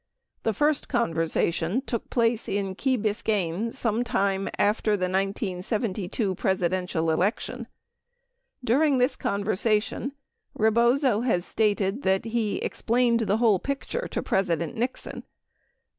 The first conversa tion took place in Key Biscayne some time after the 1972 Presidential election. During this conversation Rebozo has stated that he "explained the whole picture" to President Nixon.